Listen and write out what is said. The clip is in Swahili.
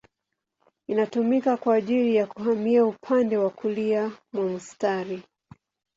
Inatumika kwa ajili ya kuhamia upande wa kulia mwa mstari.